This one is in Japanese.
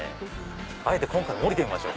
あえて今回も降りてみましょう。